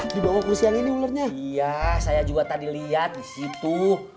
dibawa kursiang ini mulutnya iya saya juga tadi lihat disitu